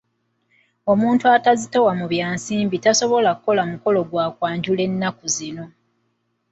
Omuntu atazitowa mu bya nsimbi tasobola kukola mukolo gwa kwanjula ennaku zino.